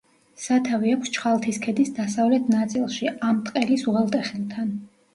სათავე აქვს ჩხალთის ქედის დასავლეთ ნაწილში, ამტყელის უღელტეხილთან.